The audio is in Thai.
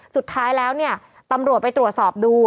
สุดท้ายแล้วเนี่ยตำรวจไปตรวจสอบดู